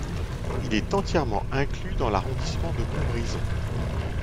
Il est entièrement inclus dans l'arrondissement de Montbrison.